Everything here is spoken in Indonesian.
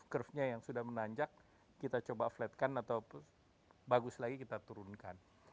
curve nya yang sudah menanjak kita coba flatkan atau bagus lagi kita turunkan